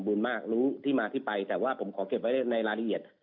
บุญมากรู้ที่มาที่ไปแต่ว่าผมขอเก็บไว้ในรายละเอียด